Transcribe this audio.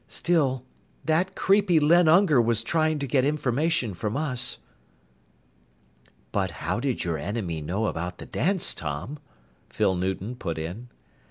"Still, that creepy Len Unger was trying to get information from us." "But how did your enemy know about the dance, Tom?" Phyl Newton put in.